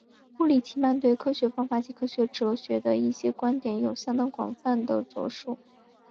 布里奇曼对科学方法及科学哲学的一些观点有相当广泛的着述。